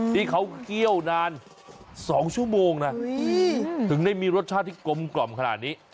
ที่เขาเคี่ยวนาน๒ชั่วโมงนะถึงได้มีรสชาติที่กลมกล่อมขนาดนี้